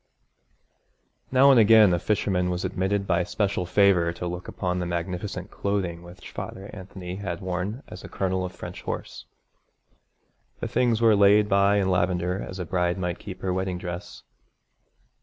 Now and again a fisherman was admitted by special favour to look upon the magnificent clothing which Father Anthony had worn as a colonel of French Horse. The things were laid by in lavender as a bride might keep her wedding dress.